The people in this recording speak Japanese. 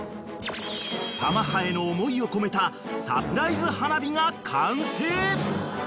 ［珠葉への思いを込めたサプライズ花火が完成］